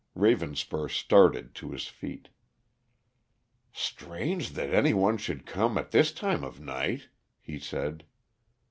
Ravenspur started to his feet. "Strange that anyone should come at this time of night," he said.